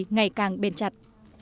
ngày càng bền chặt